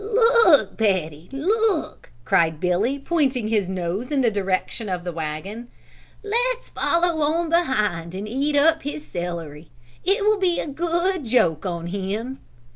"Look, Betty, look!" cried Billy, pointing his nose in the direction of the wagon. "Let's follow on behind and eat up his celery. It will be a good joke on him."